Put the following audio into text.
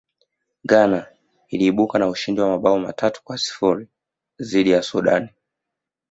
ghana iliibuka na ushindi wa mabao matatu kwa sifuri dhidi ya sudan